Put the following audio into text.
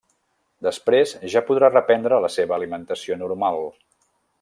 Després ja podrà reprendre la seva alimentació normal.